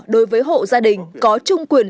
đối với hộ gia đình có trung quyền